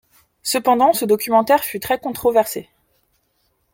Cependant, ce documentaire fut très controversé.